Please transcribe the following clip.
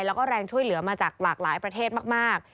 แล้วก็แรงช่วยเหลือมาจากหลากหลายประเทศมาก